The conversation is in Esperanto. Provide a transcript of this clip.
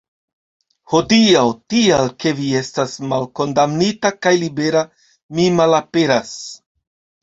Hodiaŭ, tial ke vi estas malkondamnita kaj libera, mi malaperas.